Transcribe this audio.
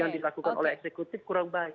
yang dilakukan oleh eksekutif kurang baik